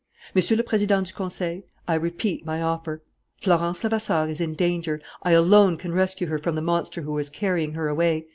Monsieur le Président du Conseil, I repeat my offer. Florence Levasseur is in danger. I alone can rescue her from the monster who is carrying her away.